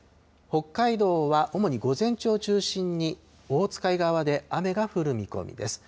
北海道は主に午前中を中心に、オホーツク海側で雨が降る見込みです。